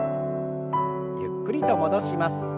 ゆっくりと戻します。